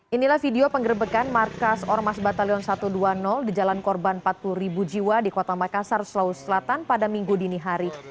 inilah video penggerbekan markas ormas batalion satu ratus dua puluh di jalan korban empat puluh ribu jiwa di kota makassar sulawesi selatan pada minggu dini hari